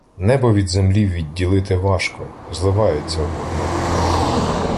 Небо від землі відділити важко, зливається водно.